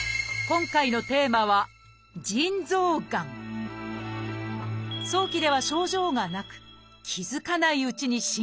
今回のテーマは早期では症状がなく気付かないうちに進行していることも。